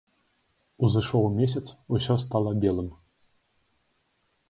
Узышоў месяц, усё стала белым.